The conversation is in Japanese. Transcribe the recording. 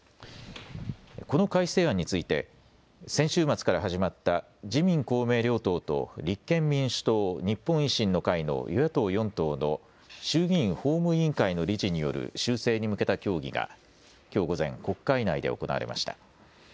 この改正案について先週末から始まった自民公明両党と立憲民主党、日本維新の会の与野党４党の衆議院法務委員会の理事による修正に向けた協議がきょう午前、国会内で行われました。